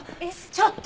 ちょっと。